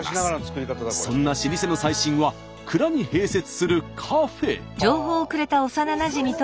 そんな老舗の最新は蔵に併設するカフェ。